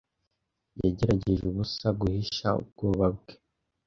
Yagerageje ubusa guhisha ubwoba bwe.